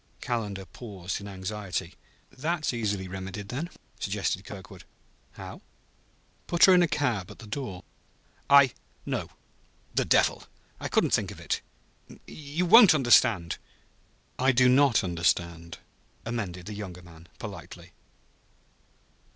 Calendar paused in anxiety. "That's easily remedied, then," suggested Kirkwood. "How?" "Put her in a cab at the door." "I ... No. The devil! I couldn't think of it. You won't understand. I " "I do not understand, " amended the younger man politely.